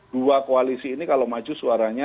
dua koalisi ini kalau maju suaranya